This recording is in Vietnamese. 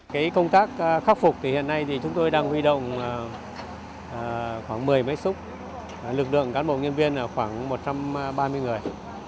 cái công tác khắc phục thì hiện nay thì chúng tôi đang huy động khoảng một mươi máy xúc lực lượng cán bộ nhân viên là khoảng một trăm ba mươi người